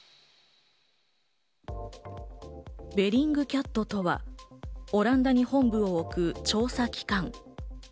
ベリングキャットとはオランダに本部を置く調査機関。